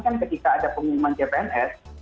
kan ketika ada pengumuman cpns